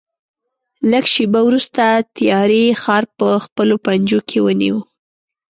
لږ شېبه وروسته تیارې ښار په خپلو پنجو کې ونیو.